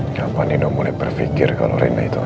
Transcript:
ngapain nino mulai berpikir kalau rena itu anaknya dia ya